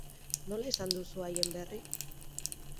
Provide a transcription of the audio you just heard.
Nola izan duzu haien berri?